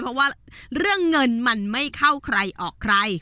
เพราะว่าเรื่องเงินมันไม่เข้าใครออกใคร